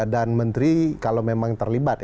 dan menteri kalau memang terlibat